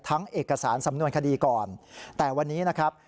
เอกสารสำนวนคดีก่อนแต่วันนี้นะครับ